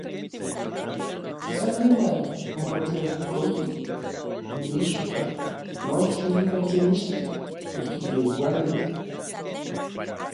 San niman omotlejkoltij inmixpan nochtin iuan se mixtli okiyeualoj.